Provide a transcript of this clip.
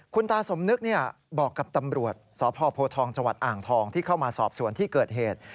คุณตาสมนึกบอกกับตำรวจสพโพทองจังหวัดอ่างทองที่เข้ามาสอบสวนที่เกิดเหตุ